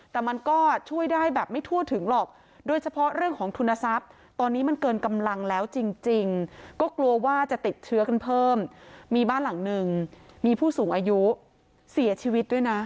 แต่มันก็ช่วยได้แบบไม่ทั่วถึงหรอกโดยเฉพาะเรื่องของทุนทรัพย์ตอนนี้มันเกินกำลังแล้วจริงก็กลัวว่าจะติดเชื้อกันเพิ่มมีบ้านหลังนึงมีผู้สูงอายุเสียชีวิตด้วยนะ